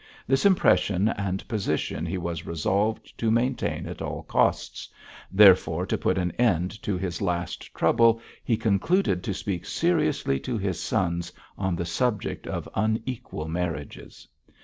This impression and position he was resolved to maintain at all costs, therefore, to put an end to his last trouble, he concluded to speak seriously to his sons on the subject of unequal marriages.